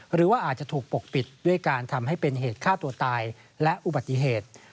หรือว่าอาจจะถูกปกปิดด้วยการทำให้เป็นเหตุฆ่าตัวตายและอุบัติเหตุ